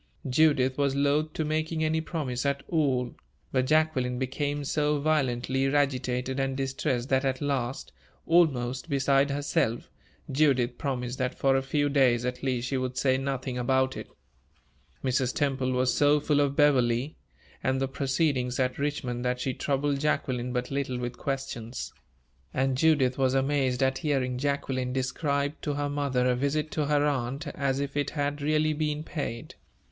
Judith was loath to making any promise at all, but Jacqueline became so violently agitated and distressed that at last, almost beside herself, Judith promised that for a few days, at least, she would say nothing about it. Mrs. Temple was so full of Beverley, and the proceedings at Richmond, that she troubled Jacqueline but little with questions; and Judith was amazed at hearing Jacqueline describe to her mother a visit to her aunt, as if it had really been paid.